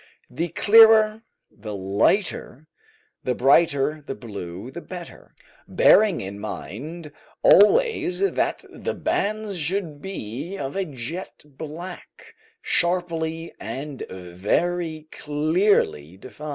The clearer, the lighter, and brighter the blue the better, bearing in mind always that the bands should be of a jet black, sharply and very clearly defined.